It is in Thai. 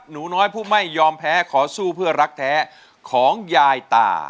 หนูน้อยผู้ไม่ยอมแพ้ขอสู้เพื่อรักแท้ของยายตา